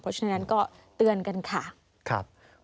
เพราะฉะนั้นก็เตือนกันค่ะ